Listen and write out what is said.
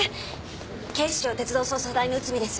警視庁鉄道捜査隊の内海です。